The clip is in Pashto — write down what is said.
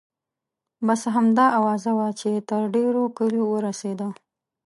بس همدا اوازه وه چې تر ډېرو کلیو ورسیده.